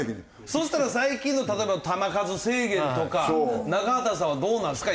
そしたら最近の例えば球数制限とか中畑さんはどうなんですか？